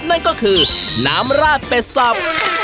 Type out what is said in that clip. นั่นก็คือน้ำราดเป็ดสับ